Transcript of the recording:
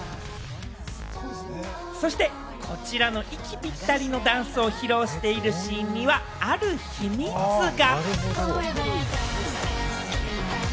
そして、こちらの息ぴったりのダンスを披露しているシーンには、ある秘密が。